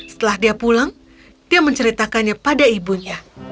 setelah dia pulang dia menceritakannya pada ibunya